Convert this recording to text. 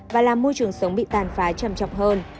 và làm môi trường sống bị tàn phá chầm chọc hơn